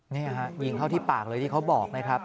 นี่ฮะยิงเข้าที่ปากเลยที่เขาบอกนะครับ